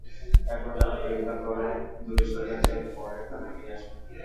এখন যাঁরা বিরোধিতা করে দূরে সরে যাচ্ছেন, পরে তাঁরা ফিরে আসবেন।